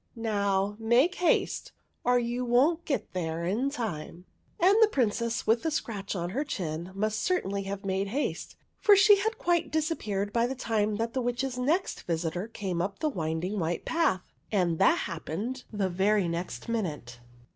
Now, make haste, or you won't get there in time !" And the Princess with the scratch on her chin must certainly have made haste, for she had quite disappeared by the time the Witch's next visitor came up the winding white path ; and that happened the very next minute.